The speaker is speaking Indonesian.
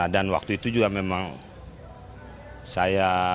dan waktu itu juga memang saya